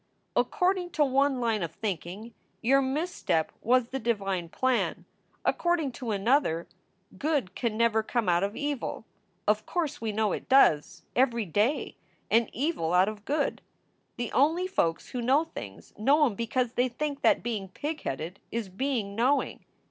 According to one line of think ing, your misstep was the divine plan. According to another, good can never come out of evil. Of course we know it does, every day; and evil out of good. The only folks who know things know em because they think that being pig headed is being knowing.